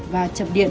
và chập điện